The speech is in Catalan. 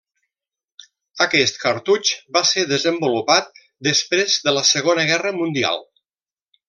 Aquest cartutx va ser desenvolupat després de la Segona Guerra Mundial.